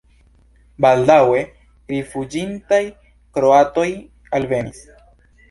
Baldaŭe rifuĝintaj kroatoj alvenis.